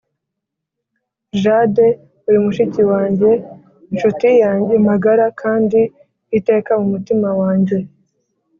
jade uri mushiki wanjye, inshuti yanjye magara kandi iteka mumutima wanjye